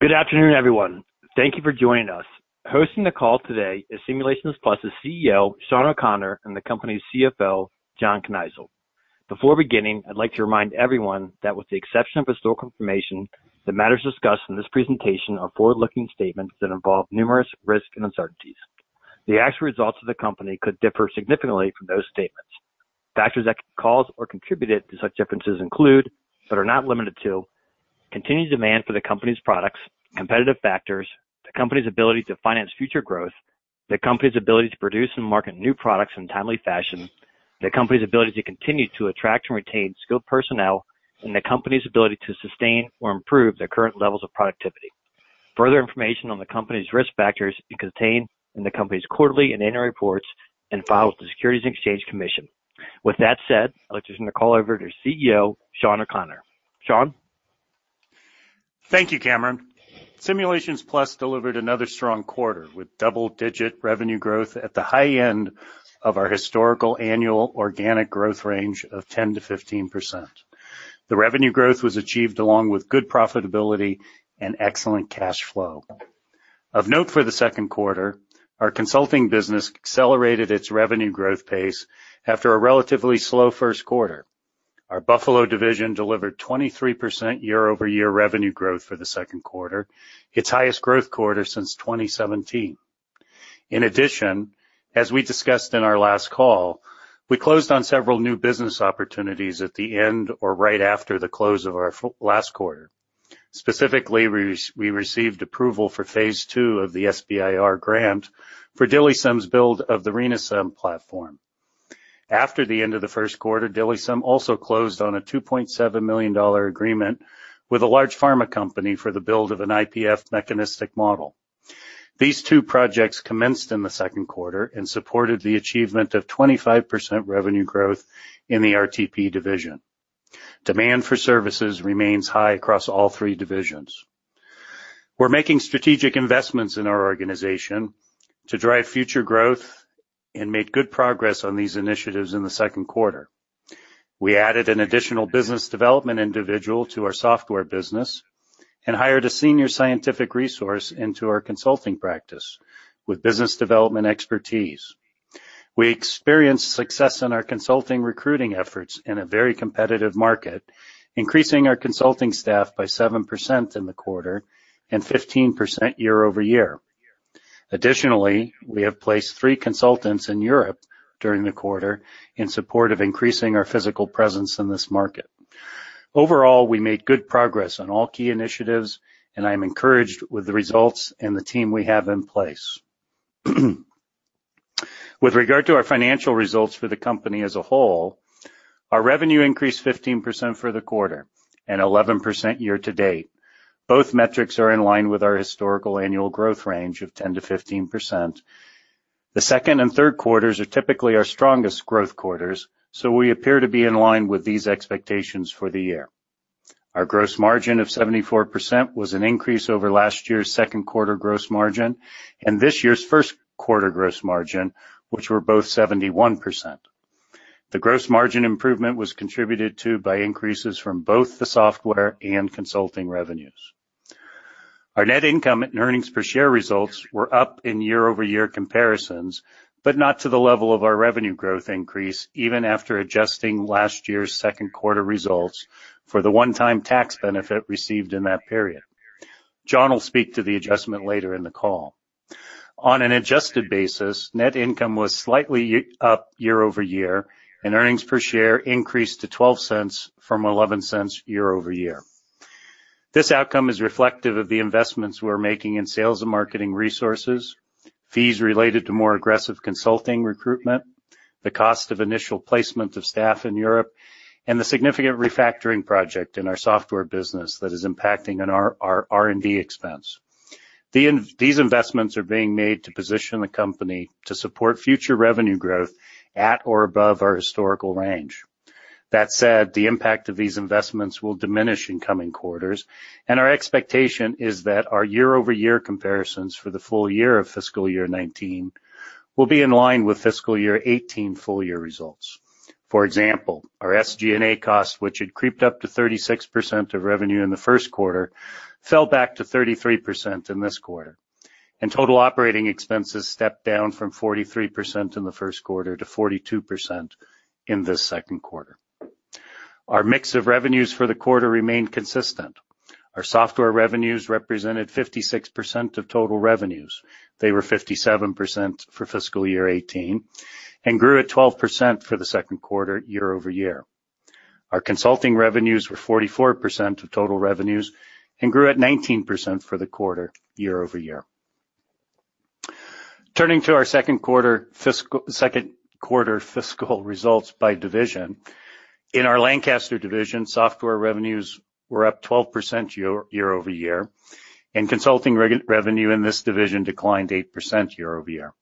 Good afternoon, everyone. Thank you for joining us. Hosting the call today is Simulations Plus' CEO, Shawn O'Connor, and the company's CFO, John Kneisel. Before beginning, I'd like to remind everyone that with the exception of historical information, the matters discussed in this presentation are forward-looking statements that involve numerous risks and uncertainties. The actual results of the company could differ significantly from those statements. Factors that could cause or contributed to such differences include, but are not limited to, continued demand for the company's products, competitive factors, the company's ability to finance future growth, the company's ability to produce and market new products in a timely fashion, the company's ability to continue to attract and retain skilled personnel, and the company's ability to sustain or improve their current levels of productivity. Further information on the company's risk factors can be contained in the company's quarterly and annual reports and filed with the Securities and Exchange Commission. With that said, I'll turn the call over to CEO, Shawn O'Connor. Shawn? Thank you, Cameron. Simulations Plus delivered another strong quarter with double-digit revenue growth at the high end of our historical annual organic growth range of 10%-15%. The revenue growth was achieved along with good profitability and excellent cash flow. Of note for the second quarter, our consulting business accelerated its revenue growth pace after a relatively slow first quarter. Our Buffalo division delivered 23% year-over-year revenue growth for the second quarter, its highest growth quarter since 2017. In addition, as we discussed in our last call, we closed on several new business opportunities at the end or right after the close of our last quarter. Specifically, we received approval for phase II of the SBIR grant for DILIsym's build of the RENAsym platform. After the end of the first quarter, DILIsym also closed on a $2.7 million agreement with a large pharma company for the build of an IPF mechanistic model. These two projects commenced in the second quarter and supported the achievement of 25% revenue growth in the RTP division. Demand for services remains high across all three divisions. We're making strategic investments in our organization to drive future growth and made good progress on these initiatives in the second quarter. We added an additional business development individual to our software business and hired a senior scientific resource into our consulting practice with business development expertise. We experienced success in our consulting recruiting efforts in a very competitive market, increasing our consulting staff by 7% in the quarter and 15% year-over-year. Additionally, we have placed three consultants in Europe during the quarter in support of increasing our physical presence in this market. Overall, we made good progress on all key initiatives. I'm encouraged with the results and the team we have in place. With regard to our financial results for the company as a whole, our revenue increased 15% for the quarter and 11% year-to-date. Both metrics are in line with our historical annual growth range of 10%-15%. The second and third quarters are typically our strongest growth quarters, so we appear to be in line with these expectations for the year. Our gross margin of 74% was an increase over last year's second quarter gross margin and this year's first quarter gross margin, which were both 71%. The gross margin improvement was contributed to by increases from both the software and consulting revenues. Our net income and earnings per share results were up in year-over-year comparisons, not to the level of our revenue growth increase even after adjusting last year's second quarter results for the one-time tax benefit received in that period. John will speak to the adjustment later in the call. On an adjusted basis, net income was slightly up year-over-year, and earnings per share increased to $0.12 from $0.11 year-over-year. This outcome is reflective of the investments we're making in sales and marketing resources, fees related to more aggressive consulting recruitment, the cost of initial placement of staff in Europe, and the significant refactoring project in our software business that is impacting our R&D expense. These investments are being made to position the company to support future revenue growth at or above our historical range. That said, the impact of these investments will diminish in coming quarters. Our expectation is that our year-over-year comparisons for the full year of fiscal year 2019 will be in line with fiscal year 2018 full-year results. For example, our SG&A cost, which had creeped up to 36% of revenue in the first quarter, fell back to 33% in this quarter. Total operating expenses stepped down from 43% in the first quarter to 42% in the second quarter. Our mix of revenues for the quarter remained consistent. Our software revenues represented 56% of total revenues. They were 57% for fiscal year 2018 and grew at 12% for the second quarter year-over-year. Our consulting revenues were 44% of total revenues and grew at 19% for the quarter year-over-year. Turning to our second quarter fiscal results by division. In our Lancaster division, software revenues were up 12% year-over-year. Consulting revenue in this division declined 8% year-over-year.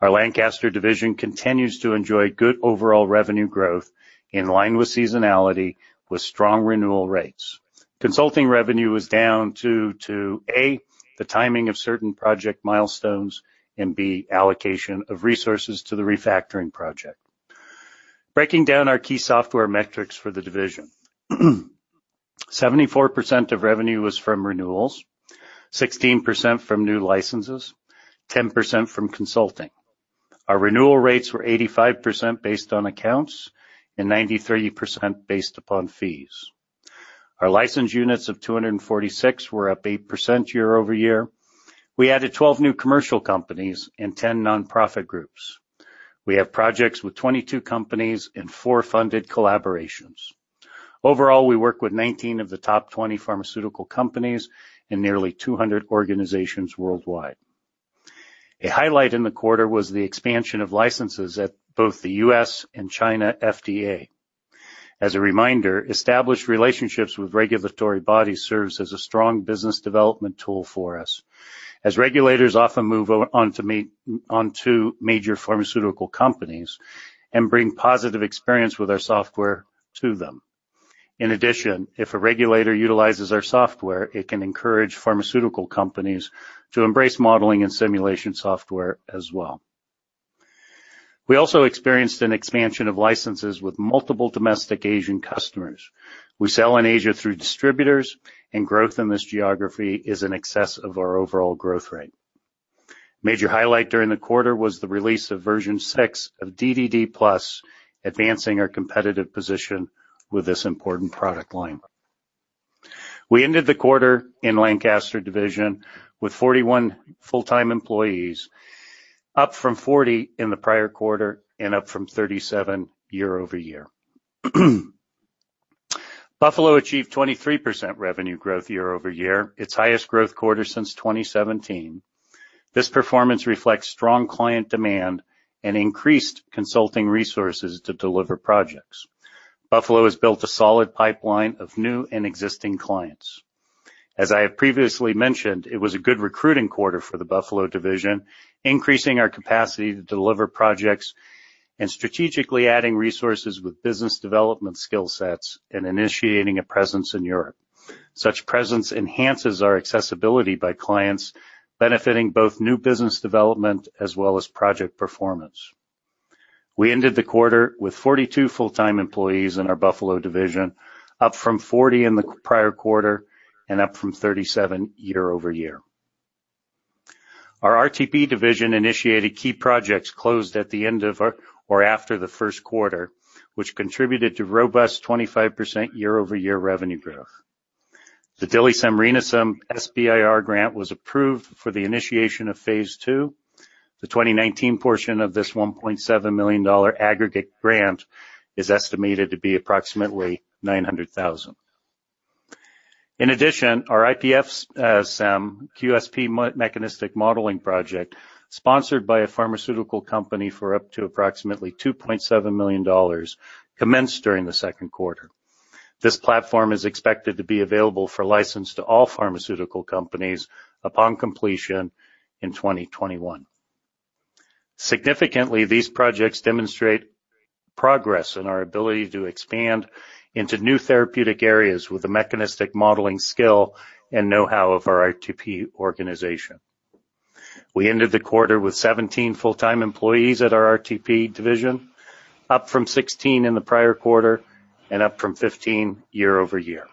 Our Lancaster division continues to enjoy good overall revenue growth in line with seasonality with strong renewal rates. Consulting revenue was down to A, the timing of certain project milestones, and B, allocation of resources to the refactoring project. Breaking down our key software metrics for the division. 74% of revenue was from renewals, 16% from new licenses, 10% from consulting. Our renewal rates were 85% based on accounts and 93% based upon fees. Our license units of 246 were up 8% year-over-year. We added 12 new commercial companies and 10 nonprofit groups. We have projects with 22 companies and four funded collaborations. Overall, we work with 19 of the top 20 pharmaceutical companies and nearly 200 organizations worldwide. A highlight in the quarter was the expansion of licenses at both the U.S. and China FDA. As a reminder, established relationships with regulatory bodies serves as a strong business development tool for us, as regulators often move on to major pharmaceutical companies and bring positive experience with our software to them. In addition, if a regulator utilizes our software, it can encourage pharmaceutical companies to embrace modeling and simulation software as well. We also experienced an expansion of licenses with multiple domestic Asian customers. We sell in Asia through distributors, and growth in this geography is in excess of our overall growth rate. Major highlight during the quarter was the release of Version 6 of DDDPlus, advancing our competitive position with this important product line. We ended the quarter in Lancaster division with 41 full-time employees, up from 40 in the prior quarter and up from 37 year-over-year. Buffalo achieved 23% revenue growth year-over-year, its highest growth quarter since 2017. This performance reflects strong client demand and increased consulting resources to deliver projects. Buffalo has built a solid pipeline of new and existing clients. As I have previously mentioned, it was a good recruiting quarter for the Buffalo division, increasing our capacity to deliver projects and strategically adding resources with business development skill sets and initiating a presence in Europe. Such presence enhances our accessibility by clients, benefiting both new business development as well as project performance. We ended the quarter with 42 full-time employees in our Buffalo division, up from 40 in the prior quarter and up from 37 year-over-year. Our RTP division initiated key projects closed at the end of or after the first quarter, which contributed to robust 25% year-over-year revenue growth. The DILIsym RENAsym SBIR grant was approved for the initiation of phase II. The 2019 portion of this $1.7 million aggregate grant is estimated to be approximately $900,000. In addition, our IPFsym QSP mechanistic modeling project, sponsored by a pharmaceutical company for up to approximately $2.7 million, commenced during the second quarter. This platform is expected to be available for license to all pharmaceutical companies upon completion in 2021. Significantly, these projects demonstrate progress in our ability to expand into new therapeutic areas with the mechanistic modeling skill and know-how of our RTP organization. We ended the quarter with 17 full-time employees at our RTP division, up from 16 in the prior quarter and up from 15 year-over-year.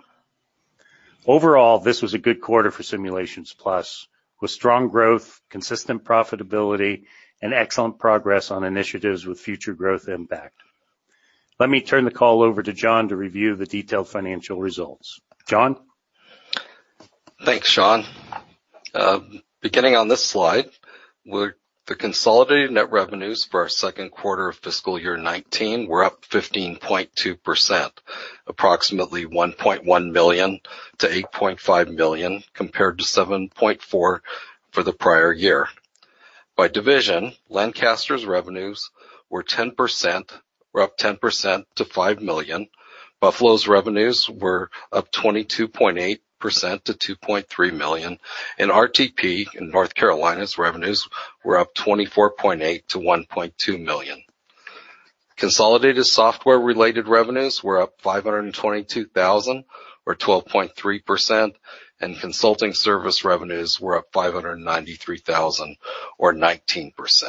Overall, this was a good quarter for Simulations Plus, with strong growth, consistent profitability, and excellent progress on initiatives with future growth impact. Let me turn the call over to John to review the detailed financial results. John? Thanks, Shawn. Beginning on this slide, the consolidated net revenues for our second quarter of fiscal year 2019 were up 15.2%, approximately $1.1 million-$8.5 million, compared to $7.4 million for the prior year. By division, Lancaster's revenues were up 10% to $5 million. Buffalo's revenues were up 22.8% to $2.3 million. RTP in North Carolina's revenues were up 24.8% to $1.2 million. Consolidated software-related revenues were up $522,000 or 12.3%, and consulting service revenues were up $593,000 or 19%.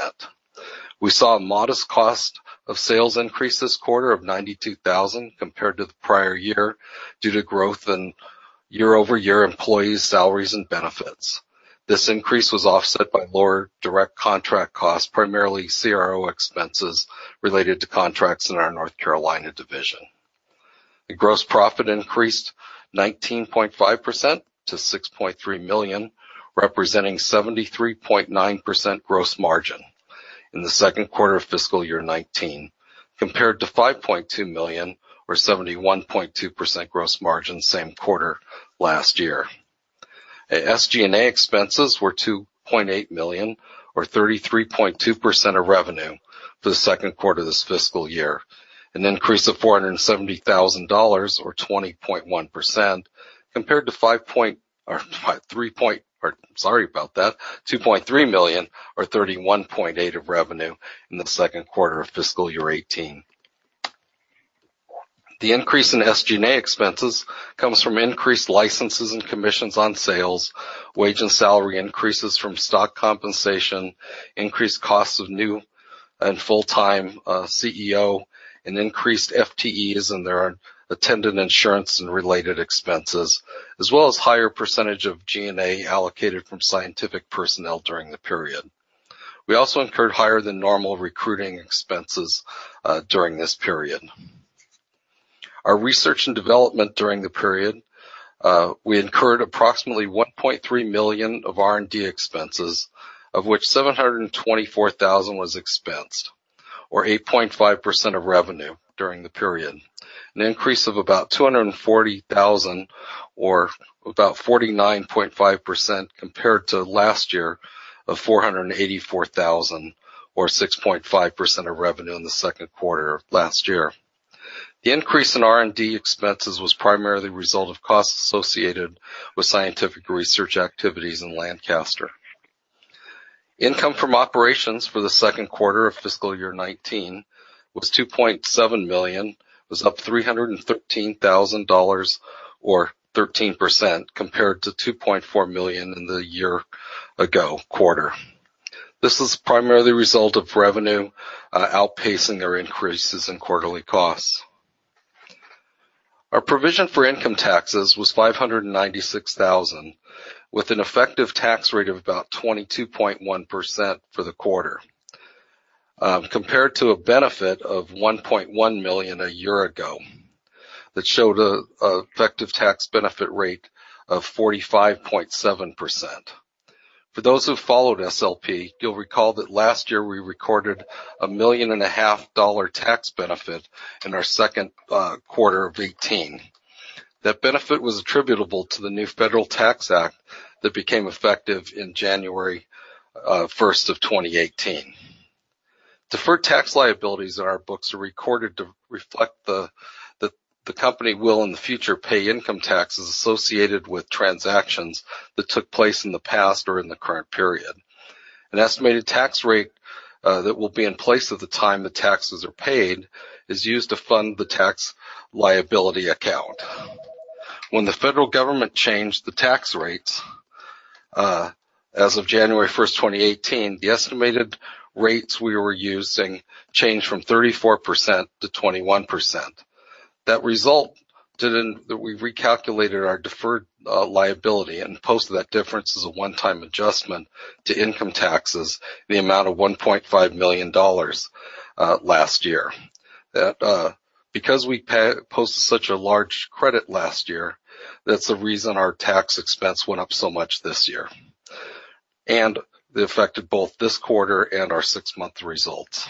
We saw a modest cost of sales increase this quarter of $92,000 compared to the prior year, due to growth in year-over-year employees' salaries and benefits. This increase was offset by lower direct contract costs, primarily CRO expenses related to contracts in our North Carolina division. The gross profit increased 19.5% to $6.3 million, representing 73.9% gross margin in the second quarter of fiscal year 2019, compared to $5.2 million or 71.2% gross margin same quarter last year. SG&A expenses were $2.8 million or 33.2% of revenue for the second quarter of this fiscal year, an increase of $470,000 or 20.1%, compared to $2.3 million or 31.8% of revenue in the second quarter of fiscal year 2018. The increase in SG&A expenses comes from increased licenses and commissions on sales, wage and salary increases from stock compensation, increased costs of new and full-time CEO, and increased FTEs and their attendant insurance and related expenses, as well as higher percentage of G&A allocated from scientific personnel during the period. We also incurred higher than normal recruiting expenses during this period. Our research and development during the period, we incurred approximately $1.3 million of R&D expenses, of which $724,000 was expensed, or 8.5% of revenue during the period, an increase of about $240,000 or about 49.5% compared to last year of $484,000 or 6.5% of revenue in the second quarter of last year. The increase in R&D expenses was primarily the result of costs associated with scientific research activities in Lancaster. Income from operations for the second quarter of fiscal year 2019 was $2.7 million, was up $313,000 or 13% compared to $2.4 million in the year ago quarter. This is primarily the result of revenue outpacing their increases in quarterly costs. Our provision for income taxes was $596,000, with an effective tax rate of about 22.1% for the quarter, compared to a benefit of $1.1 million a year ago that showed an effective tax benefit rate of 45.7%. For those who followed SLP, you'll recall that last year we recorded a million and a half dollar tax benefit in our second quarter of 2018. That benefit was attributable to the new Federal Tax Act that became effective in January 1st of 2018. Deferred tax liabilities in our books are recorded to reflect the company will in the future pay income taxes associated with transactions that took place in the past or in the current period. An estimated tax rate that will be in place at the time the taxes are paid is used to fund the tax liability account. When the federal government changed the tax rates, as of January 1st, 2018, the estimated rates we were using changed from 34%-21%. We recalculated our deferred liability and posted that difference as a one-time adjustment to income taxes in the amount of $1.5 million last year. Because we posted such a large credit last year, that's the reason our tax expense went up so much this year and it affected both this quarter and our six-month results.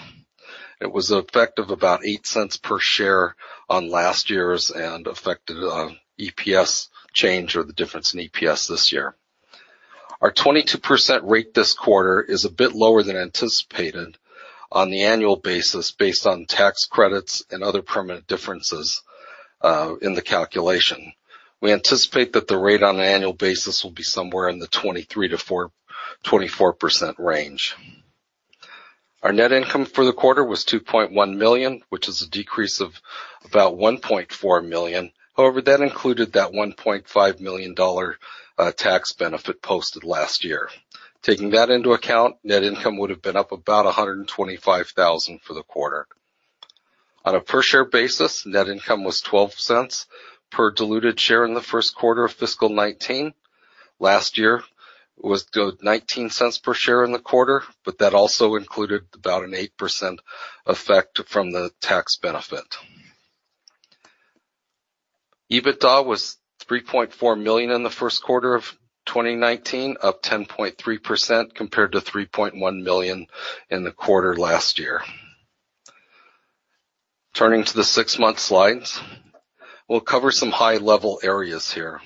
It was effective about $0.08 per share on last year's and affected EPS change or the difference in EPS this year. Our 22% rate this quarter is a bit lower than anticipated on the annual basis based on tax credits and other permanent differences, in the calculation. We anticipate that the rate on an annual basis will be somewhere in the 23%-24% range. Our net income for the quarter was $2.1 million, which is a decrease of about $1.4 million. However, that included that $1.5 million tax benefit posted last year. Taking that into account, net income would have been up about $125,000 for the quarter. On a per-share basis, net income was $0.12 per diluted share in the first quarter of fiscal 2019. Last year, it was $0.19 per share in the quarter, but that also included about an 8% effect from the tax benefit. EBITDA was $3.4 million in the first quarter of 2019, up 10.3% compared to $3.1 million in the quarter last year. Turning to the six-month slides, we'll cover some high-level areas here.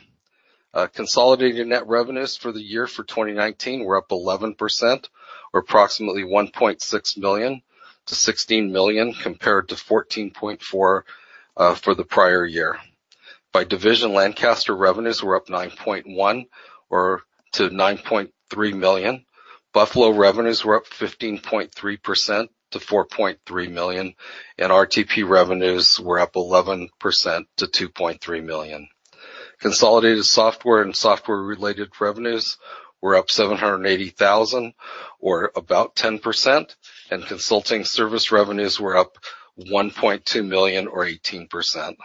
Consolidated net revenues for the year for 2019 were up 11% or approximately $1.6 million-$16 million compared to $14.4 million for the prior year. By division, Lancaster revenues were up 9.1% or to $9.3 million. Buffalo revenues were up 15.3% to $4.3 million, and RTP revenues were up 11% to $2.3 million. Consolidated software and software-related revenues were up $780,000 or about 10%, and consulting service revenues were up $1.2 million or 18%.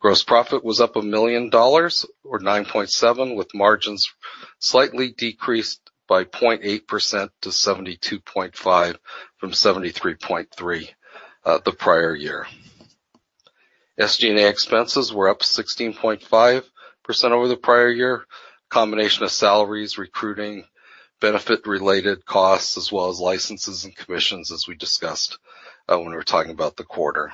Gross profit was up $1 million or 9.7% with margins slightly decreased by 0.8%-72.5% from 73.3% the prior year. SG&A expenses were up 16.5% over the prior year. Combination of salaries, recruiting, benefit-related costs, as well as licenses and commissions as we discussed when we were talking about the quarter.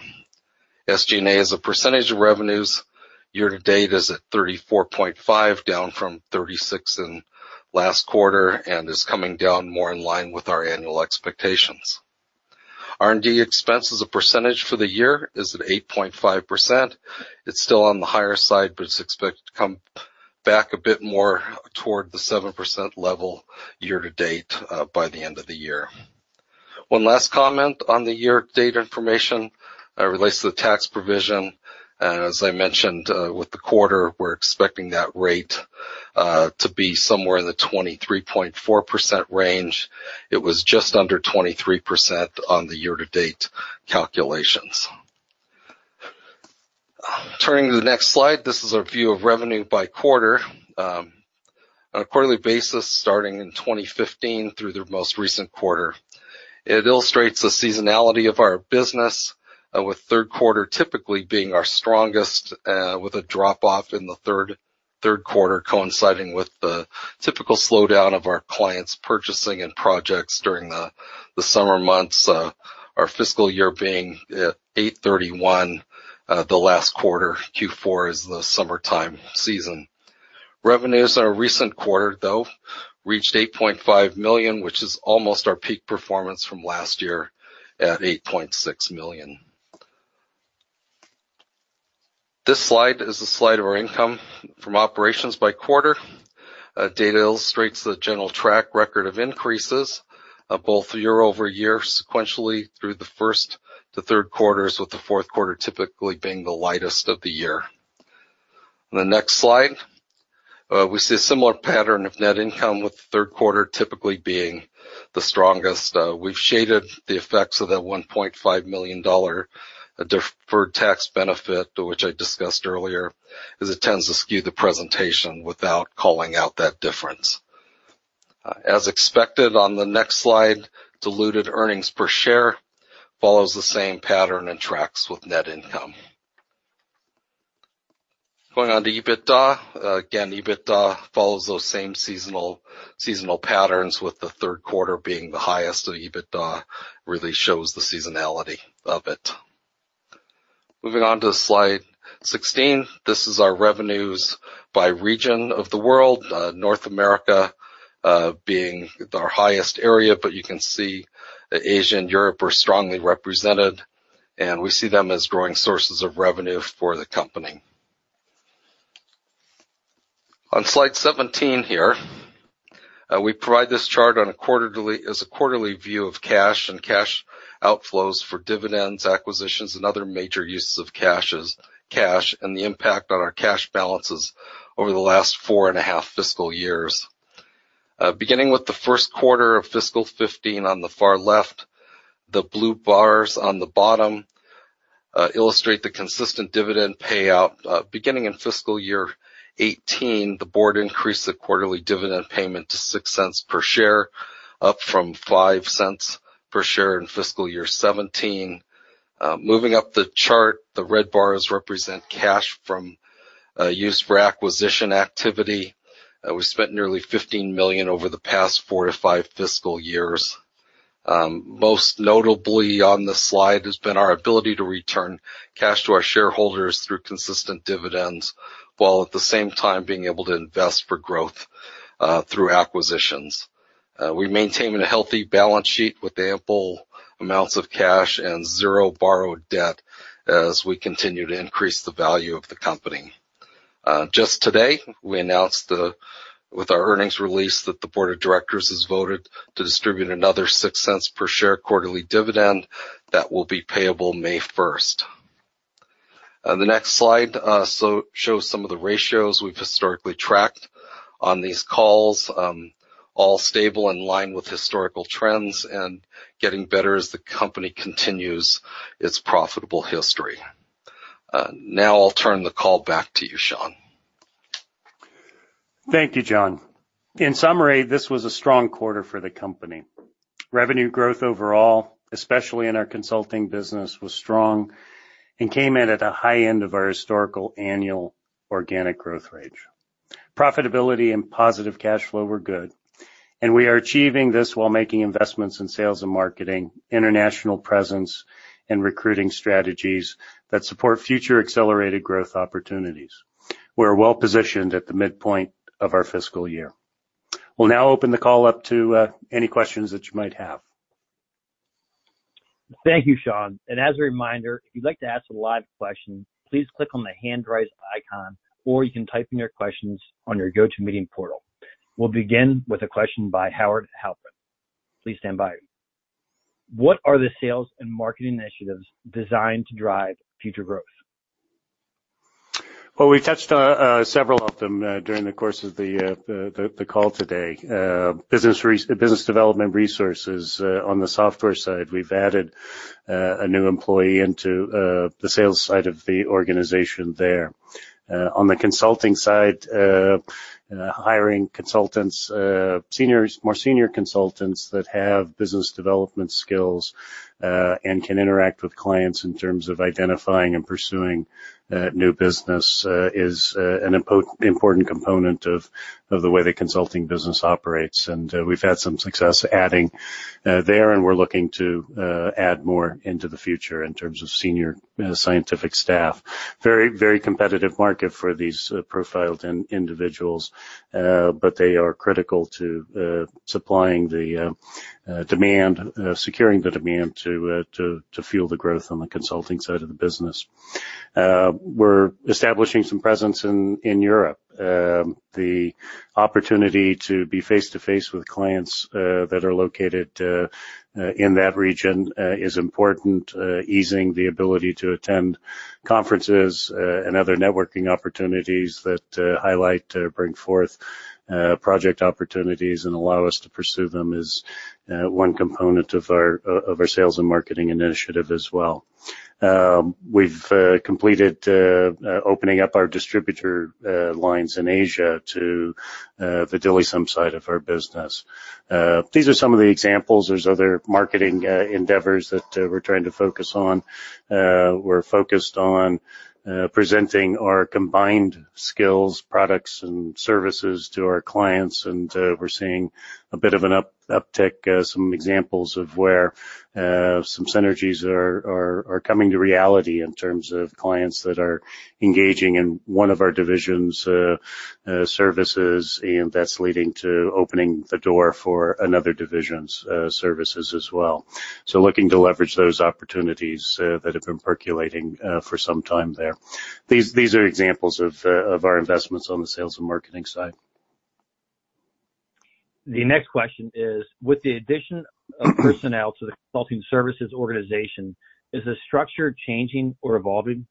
SG&A, as a percentage of revenues year to date, is at 34.5%, down from 36% in last quarter and is coming down more in line with our annual expectations. R&D expense as a percentage for the year is at 8.5%. It's still on the higher side, but it's expected to come down a bit more toward the 7% level year to date by the end of the year. One last comment on the year to date information relates to the tax provision. As I mentioned with the quarter, we're expecting that rate to be somewhere in the 23.4% range. It was just under 23% on the year to date calculations. Turning to the next slide, this is our view of revenue by quarter. On a quarterly basis starting in 2015 through the most recent quarter. It illustrates the seasonality of our business with third quarter typically being our strongest, with a drop off in the third quarter coinciding with the typical slowdown of our clients purchasing and projects during the summer months, our fiscal year being at 8/31, the last quarter, Q4, is the summertime season. Revenues on our recent quarter, though, reached $8.5 million, which is almost our peak performance from last year at $8.6 million. This slide is a slide of our income from operations by quarter. Data illustrates the general track record of increases of both year-over-year sequentially through the first to third quarters, with the fourth quarter typically being the lightest of the year. On the next slide, we see a similar pattern of net income, with the third quarter typically being the strongest. We've shaded the effects of that $1.5 million deferred tax benefit, which I discussed earlier, as it tends to skew the presentation without calling out that difference. As expected on the next slide, diluted earnings per share follows the same pattern and tracks with net income. Going on to EBITDA. EBITDA follows those same seasonal patterns with the third quarter being the highest, and EBITDA really shows the seasonality of it. Moving on to slide 16, this is our revenues by region of the world. North America, being our highest area, but you can see that Asia and Europe are strongly represented, and we see them as growing sources of revenue for the company. On slide 17 here, we provide this chart as a quarterly view of cash and cash outflows for dividends, acquisitions, and other major uses of cash and the impact on our cash balances over the last four and a half fiscal years. Beginning with the first quarter of FY 2015 on the far left, the blue bars on the bottom illustrate the consistent dividend payout. Beginning in FY 2018, the board increased the quarterly dividend payment to $0.06 per share, up from $0.05 per share in FY 2017. Moving up the chart, the red bars represent cash used for acquisition activity. We spent nearly $15 million over the past four to five fiscal years. Most notably on this slide has been our ability to return cash to our shareholders through consistent dividends while at the same time being able to invest for growth, through acquisitions. We maintain a healthy balance sheet with ample amounts of cash and zero borrowed debt as we continue to increase the value of the company. Just today, we announced with our earnings release that the board of directors has voted to distribute another $0.06 per share quarterly dividend that will be payable May 1st. The next slide shows some of the ratios we've historically tracked on these calls. All stable in line with historical trends and getting better as the company continues its profitable history. Now I'll turn the call back to you, Shawn. Thank you, John. In summary, this was a strong quarter for the company. Revenue growth overall, especially in our consulting business, was strong and came in at a high end of our historical annual organic growth range. Profitability and positive cash flow were good, and we are achieving this while making investments in sales and marketing, international presence, and recruiting strategies that support future accelerated growth opportunities. We're well-positioned at the midpoint of our fiscal year. We'll now open the call up to any questions that you might have. Thank you, Shawn. As a reminder, if you'd like to ask a live question, please click on the hand raise icon, or you can type in your questions on your GoToMeeting portal. We'll begin with a question by Howard Halpern. Please stand by. What are the sales and marketing initiatives designed to drive future growth? Well, we touched on several of them during the course of the call today. Business development resources on the software side. We've added a new employee into the sales side of the organization there. On the consulting side, hiring consultants, more senior consultants that have business development skills, and can interact with clients in terms of identifying and pursuing new business, is an important component of the way the consulting business operates. We've had some success adding there, and we're looking to add more into the future in terms of senior scientific staff. Very competitive market for these profiled individuals, but they are critical to supplying the demand, securing the demand to fuel the growth on the consulting side of the business. We're establishing some presence in Europe. The opportunity to be face-to-face with clients that are located in that region is important. Easing the ability to attend conferences and other networking opportunities that highlight, bring forth project opportunities and allow us to pursue them is one component of our sales and marketing initiative as well. We've completed opening up our distributor lines in Asia to the DILIsym side of our business. These are some of the examples. There's other marketing endeavors that we're trying to focus on. We're focused on presenting our combined skills, products, and services to our clients. We're seeing a bit of an uptick. Some examples of where some synergies are coming to reality in terms of clients that are engaging in one of our divisions' services, and that's leading to opening the door for another division's services as well. Looking to leverage those opportunities that have been percolating for some time there. These are examples of our investments on the sales and marketing side. The next question is, with the addition of personnel to the consulting services organization, is the structure changing or evolving?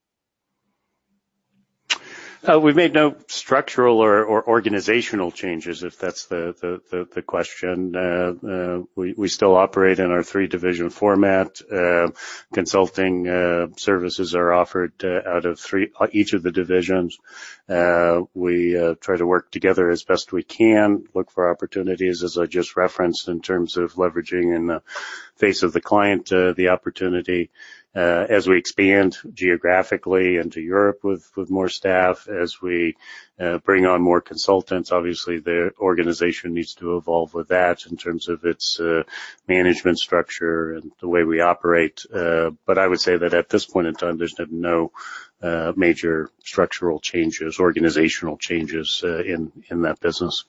We've made no structural or organizational changes, if that's the question. We still operate in our three-division format. Consulting services are offered out of each of the divisions. We try to work together as best as we can, look for opportunities, as I just referenced, in terms of leveraging in the face of the client the opportunity. As we expand geographically into Europe with more staff, as we bring on more consultants, obviously the organization needs to evolve with that in terms of its management structure and the way we operate. I would say that at this point in time, there's no major structural changes, organizational changes in that business.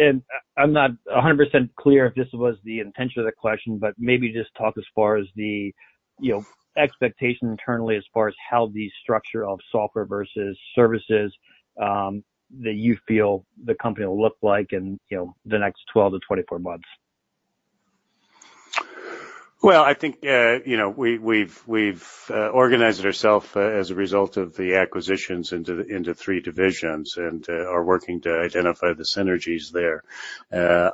I'm not 100% clear if this was the intention of the question, maybe just talk as far as the expectation internally as far as how the structure of software versus services that you feel the company will look like in the next 12 months-24 months. I think we've organized ourself as a result of the acquisitions into three divisions and are working to identify the synergies there.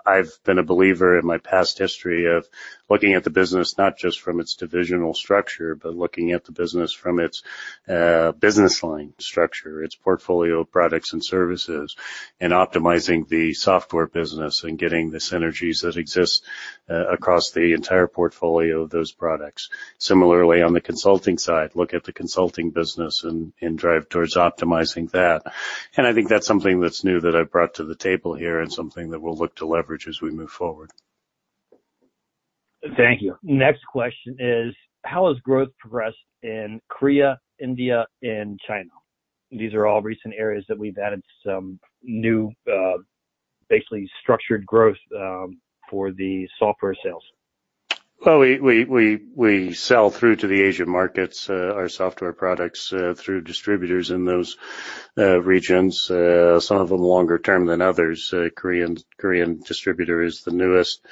I've been a believer in my past history of looking at the business not just from its divisional structure, but looking at the business from its business line structure, its portfolio of products and services, and optimizing the software business and getting the synergies that exist across the entire portfolio of those products. Similarly, on the consulting side, look at the consulting business and drive towards optimizing that. I think that's something that's new that I've brought to the table here and something that we'll look to leverage as we move forward. Thank you. Next question is, how has growth progressed in Korea, India, and China? These are all recent areas that we've added some new, basically structured growth for the software sales. Well, we sell through to the Asian markets our software products through distributors in those regions. Some of them longer term than others. Korean distributor is the newest.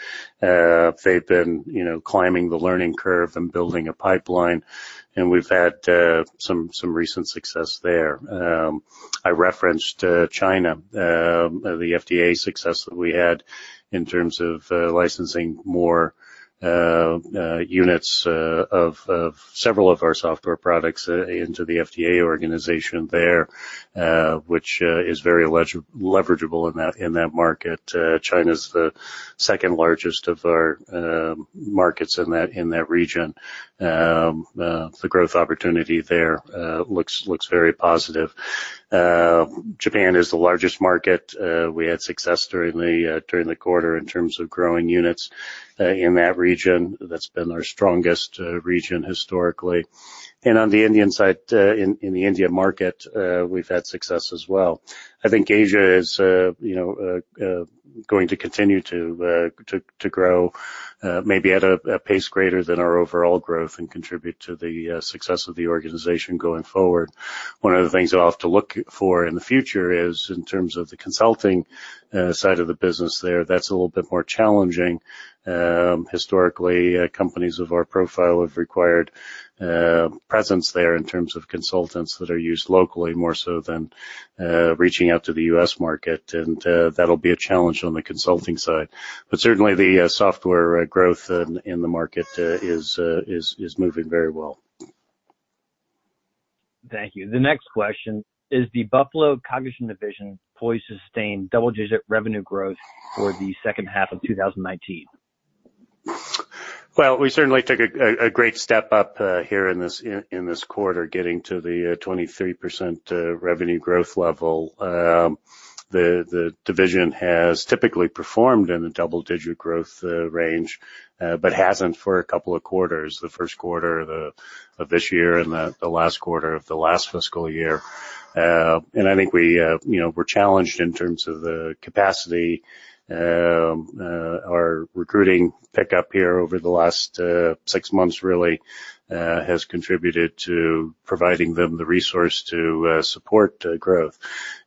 They've been climbing the learning curve and building a pipeline, and we've had some recent success there. I referenced China, the FDA success that we had in terms of licensing more units of several of our software products into the FDA organization there, which is very leverageable in that market. China's the second-largest of our markets in that region. The growth opportunity there looks very positive. Japan is the largest market. We had success during the quarter in terms of growing units in that region. That's been our strongest region historically. On the Indian side, in the India market, we've had success as well. I think Asia is going to continue to grow maybe at a pace greater than our overall growth and contribute to the success of the organization going forward. One of the things I'll have to look for in the future is in terms of the consulting side of the business there, that's a little bit more challenging. Historically, companies of our profile have required presence there in terms of consultants that are used locally more so than reaching out to the U.S. market, and that'll be a challenge on the consulting side. Certainly, the software growth in the market is moving very well. Thank you. The next question, is the Buffalo Cognigen division poised to sustain double-digit revenue growth for the second half of 2019? Well, we certainly took a great step up here in this quarter getting to the 23% revenue growth level. The division has typically performed in the double-digit growth range but hasn't for a couple of quarters, the first quarter of this year and the last quarter of the last fiscal year. I think we're challenged in terms of the capacity. Our recruiting pickup here over the last six months really has contributed to providing them the resource to support growth.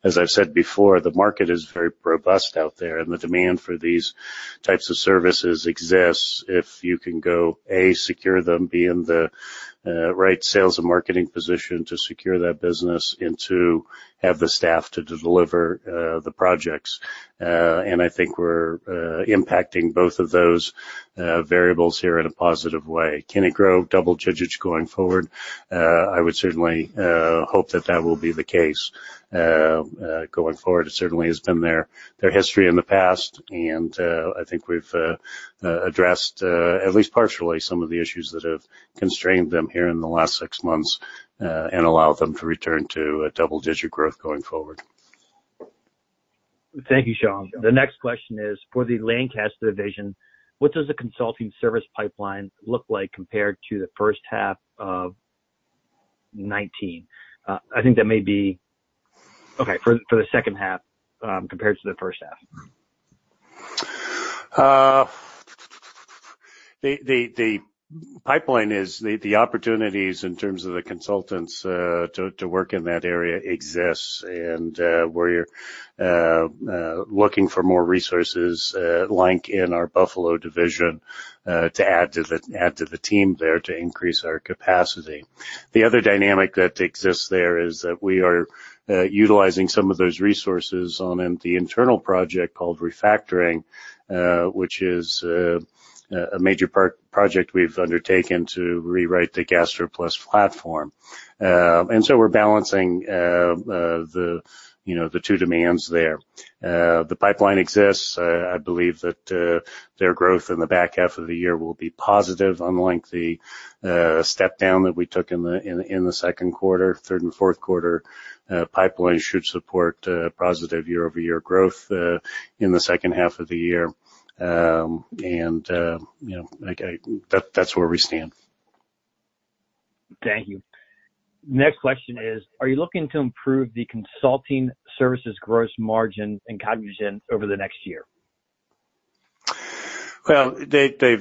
As I've said before, the market is very robust out there, and the demand for these types of services exists if you can go, A, secure them, B, in the right sales and marketing position to secure that business and two, have the staff to deliver the projects. I think we're impacting both of those variables here in a positive way. Can it grow double digits going forward? I would certainly hope that that will be the case going forward. It certainly has been their history in the past, and I think we've addressed, at least partially, some of the issues that have constrained them here in the last six months, and allow them to return to a double-digit growth going forward. Thank you, Shawn. The next question is, for the Lancaster division, what does the consulting service pipeline look like compared to the first half of 2019? Okay, for the second half compared to the first half. The pipeline is the opportunities in terms of the consultants to work in that area exists and we're looking for more resources, like in our Buffalo division, to add to the team there to increase our capacity. The other dynamic that exists there is that we are utilizing some of those resources on the internal project called Refactoring, which is a major project we've undertaken to rewrite the GastroPlus platform. So we're balancing the two demands there. The pipeline exists. I believe that their growth in the back half of the year will be positive, unlike the step down that we took in the second quarter, third and fourth quarter. Pipeline should support positive year-over-year growth in the second half of the year. That's where we stand. Thank you. Next question is, are you looking to improve the consulting services gross margin and contribution over the next year? Well, they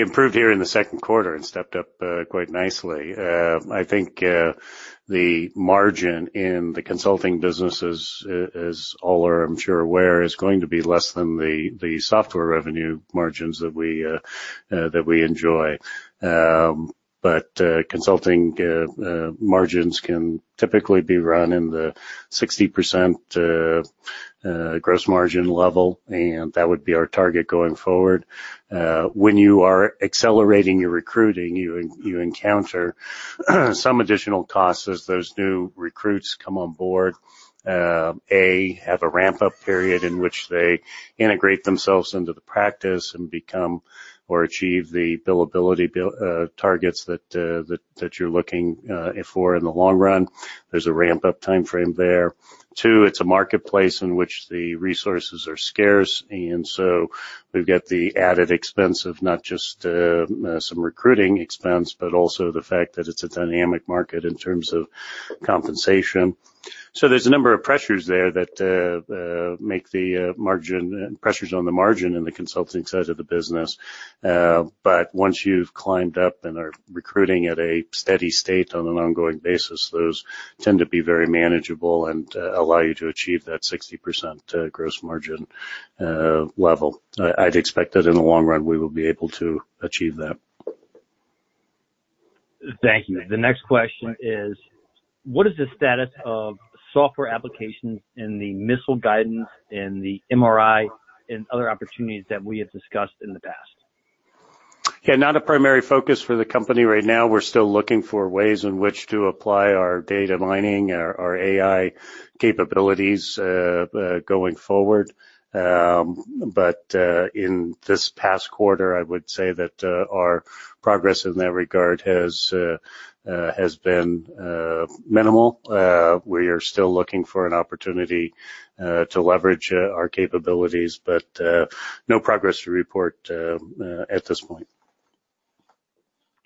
improved here in the second quarter and stepped up quite nicely. I think the margin in the consulting businesses is, all are I'm sure aware, is going to be less than the software revenue margins that we enjoy. Consulting margins can typically be run in the 60% gross margin level, and that would be our target going forward. When you are accelerating your recruiting, you encounter some additional costs as those new recruits come on board. A, have a ramp-up period in which they integrate themselves into the practice and become or achieve the billability targets that you're looking for in the long run. There's a ramp-up timeframe there. Two, it's a marketplace in which the resources are scarce, we've got the added expense of not just some recruiting expense, but also the fact that it's a dynamic market in terms of compensation. There's a number of pressures there that make the pressures on the margin in the consulting side of the business. Once you've climbed up and are recruiting at a steady state on an ongoing basis, those tend to be very manageable and allow you to achieve that 60% gross margin level. I'd expect that in the long run, we will be able to achieve that. Thank you. The next question is, what is the status of software applications in the missile guidance in the MRI and other opportunities that we have discussed in the past? Yeah, not a primary focus for the company right now. We're still looking for ways in which to apply our data mining, our AI capabilities going forward. In this past quarter, I would say that our progress in that regard has been minimal. We are still looking for an opportunity to leverage our capabilities, no progress to report at this point.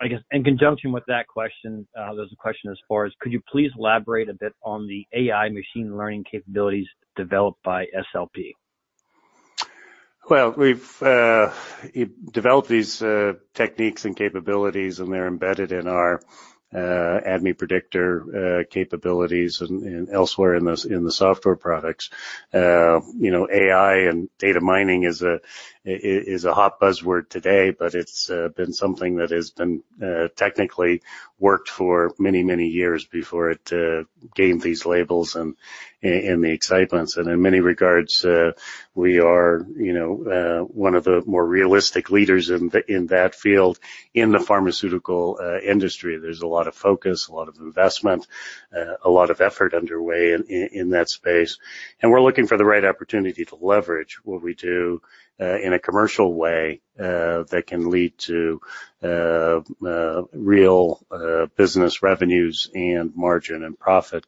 I guess in conjunction with that question, there's a question as far as could you please elaborate a bit on the AI machine learning capabilities developed by SLP? Well, we've developed these techniques and capabilities, and they're embedded in our ADMET Predictor capabilities and elsewhere in the software products. AI and data mining is a hot buzzword today, but it's been something that has been technically worked for many, many years before it gained these labels and the excitements. In many regards, we are one of the more realistic leaders in that field in the pharmaceutical industry. There's a lot of focus, a lot of investment, a lot of effort underway in that space. We're looking for the right opportunity to leverage what we do in a commercial way that can lead to real business revenues and margin and profit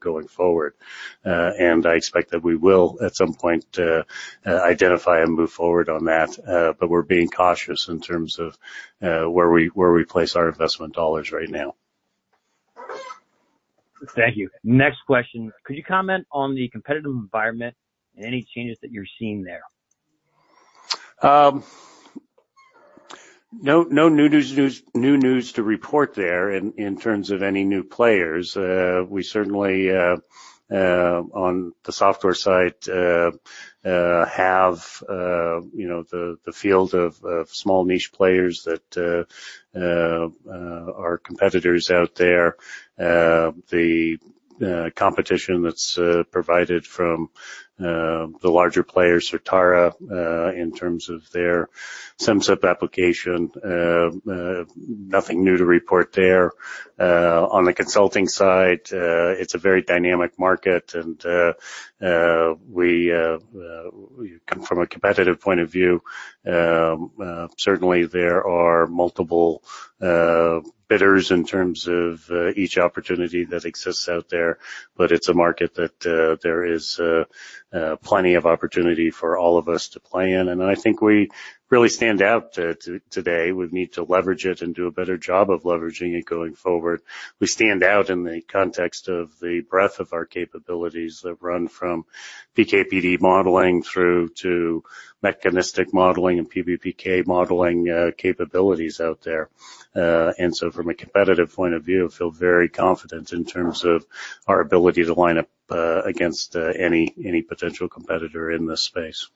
going forward. I expect that we will, at some point, identify and move forward on that. We're being cautious in terms of where we place our investment dollars right now. Thank you. Next question. Could you comment on the competitive environment and any changes that you're seeing there? No new news to report there in terms of any new players. We certainly, on the software side, have the field of small niche players that are competitors out there. The competition that's provided from the larger players, Certara, in terms of their Simcyp application, nothing new to report there. On the consulting side, it's a very dynamic market, and from a competitive point of view, certainly there are multiple bidders in terms of each opportunity that exists out there, but it's a market that there is plenty of opportunity for all of us to play in. I think we really stand out today. We need to leverage it and do a better job of leveraging it going forward. We stand out in the context of the breadth of our capabilities that run from PK/PD modeling through to mechanistic modeling and PBPK modeling capabilities out there. We feel very confident in terms of our ability to line up against any potential competitor in this space.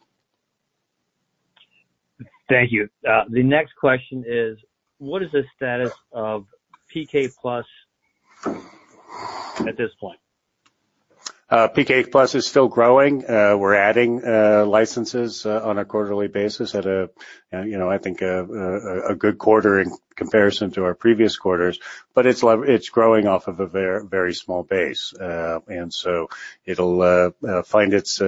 Thank you. The next question is: what is the status of PK Plus at this point? PK Plus is still growing. We're adding licenses on a quarterly basis at, I think, a good quarter in comparison to our previous quarters. It's growing off of a very small base. It'll find its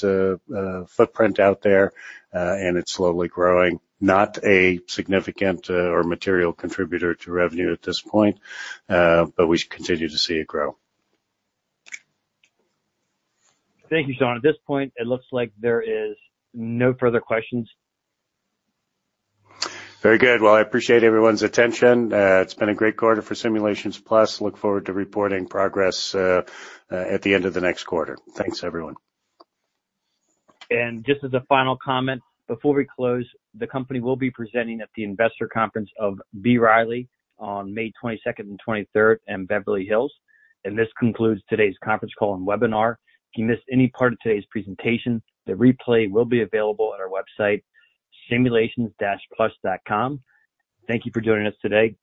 footprint out there, and it's slowly growing. Not a significant or material contributor to revenue at this point, but we continue to see it grow. Thank you, Shawn. At this point, it looks like there is no further questions. Very good. Well, I appreciate everyone's attention. It's been a great quarter for Simulations Plus. Look forward to reporting progress at the end of the next quarter. Thanks, everyone. Just as a final comment before we close, the company will be presenting at the investor conference of B. Riley on May 22nd and 23rd in Beverly Hills. This concludes today's conference call and webinar. If you missed any part of today's presentation, the replay will be available on our website, simulations-plus.com. Thank you for joining us today.